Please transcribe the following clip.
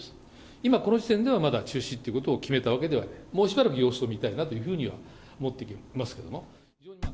今この時点では、まだ中止ということを決めたわけではない、もうしばらく様子を見たいなというふうには思っていますけれども。